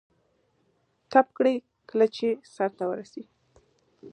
احمد بې وخته له علي سره خټه پر ښکر واخيسته.